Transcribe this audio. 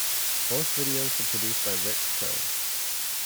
Both videos were produced by Rick Kerr.